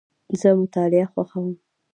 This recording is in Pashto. زه مطالعه خوښوم.